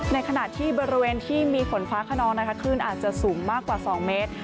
ในขณะที่บริเวณที่มีฝนฟ้าขนองนะคะคลื่นอาจจะสูงมากกว่า๒เมตร